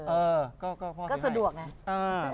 เออก็สะดวกไง